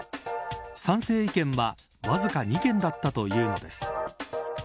賛成意見はわずか２件だったというのです。